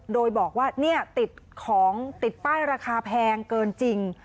โดยบอกว่าเนี่ยติดของติดป้ายราคาแพงเกินจริง